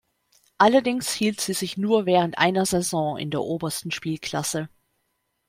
Allerdings hielt sie sich nur während einer Saison in der obersten Spielklasse.